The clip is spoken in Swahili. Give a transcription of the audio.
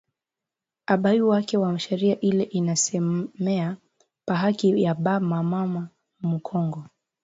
Abayuwake ma sheria ile ina semeya pa haki ya ba mama mu kongo